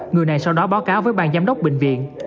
người này sau đó báo cáo với bang giám đốc bệnh viện